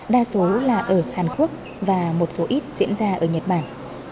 đa số là ở hàn quốc và một số ít diễn ra ở nhật bản